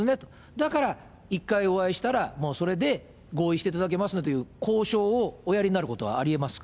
だから、１回お会いしたら、もう、それで合意していただけますねという交渉をおやりになることはありえますか。